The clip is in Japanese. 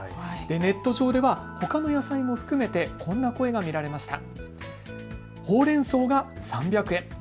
ネット上ではほかの野菜も含めてこんな声も見られました。